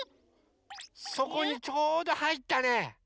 そこにちょうどはいったね。